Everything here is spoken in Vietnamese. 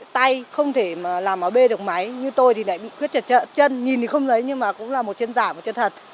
tay không thể mà làm ở b được máy như tôi thì lại bị khuyết tật chân nhìn thì không lấy nhưng mà cũng là một chân giả một chân thật